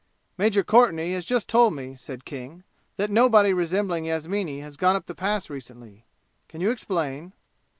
"Major Courtenay has just told me," said King, "that nobody resembling Yasmini has gone up the Pass recently. Can you explain?"